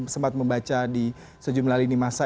sempat membaca di sejumlah lini masa